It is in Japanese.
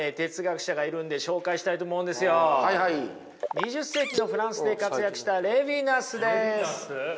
２０世紀のフランスで活躍したレヴィナスです。